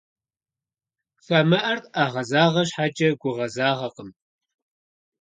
Хамэӏэр ӏэгъэзагъэ щхьэкӏэ, гугъэзагъэкъым.